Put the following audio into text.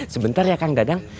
sebentar ya kang dadang